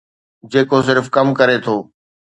جيڪو صرف ڪم ڪري ٿو.